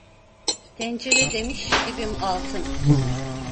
Tencere demiş, dibim altın.